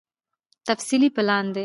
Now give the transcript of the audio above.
تفصيلي پلان دی